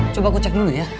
coba aku cek dulu ya